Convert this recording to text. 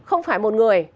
không phải một người